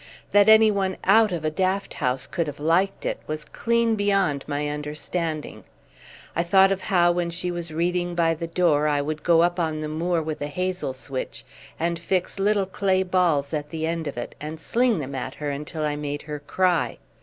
That anyone out of a daft house could have liked it, was clean beyond my understanding. I thought of how when she was reading by the door I would go up on the moor with a hazel switch and fix little clay balls at the end of it, and sling them at her until I made her cry.